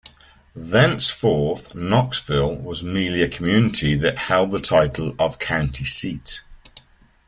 Thenceforth, Knoxville was merely a community that held the title of county seat.